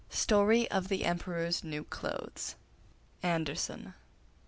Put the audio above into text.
STORY OF THE EMPEROR'S NEW CLOTHES(4) (4) Andersen.